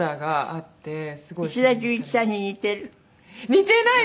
似てない？